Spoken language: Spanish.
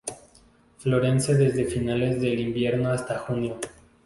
Florece desde finales del invierno hasta junio.